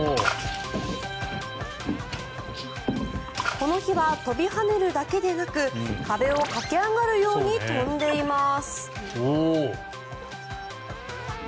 この日は跳びはねるだけでなく壁を駆け上がるように跳んでいます。